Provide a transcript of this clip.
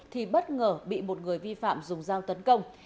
thì bất ngờ bị một người vi phạm dùng dao tấn công